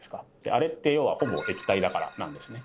あれって要はほぼ液体だからなんですね。